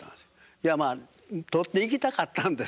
いやまあ取っていきたかったんですけどね。